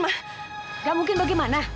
tidak mungkin bagaimana